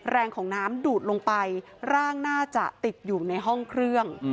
แรงของน้ำดูดลงไปร่างน่าจะติดอยู่ในห้องเครื่อง